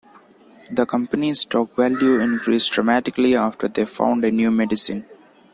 The company's stock value increased dramatically after they found a new medicine.